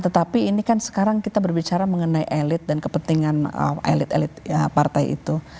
tetapi ini kan sekarang kita berbicara mengenai elit dan kepentingan elit elit partai itu